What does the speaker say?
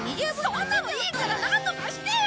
そんなのいいからなんとかしてよ！